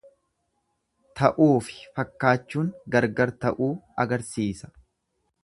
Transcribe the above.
Ta'uufi fakkaachuun gargar ta'uu agarsiisa.